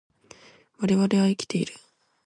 我々は生きている